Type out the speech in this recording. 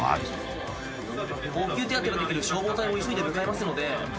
応急手当てのできる消防隊も急いで向かいますので。